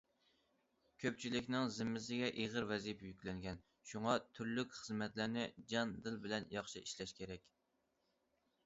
كۆپچىلىكىنىڭ زىممىسىگە ئېغىر ۋەزىپە يۈكلەنگەن، شۇڭا تۈرلۈك خىزمەتلەرنى جان- دىل بىلەن ياخشى ئىشلەش كېرەك.